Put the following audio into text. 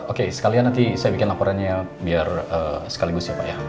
oke sekalian nanti saya bikin laporannya biar sekaligus ya pak ya